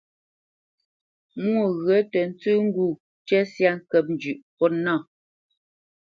Mwô ghyə̂ tə tsə́ ŋgû ncə́ syâ ŋkə́p njʉ̌ʼ ŋkwút nâ.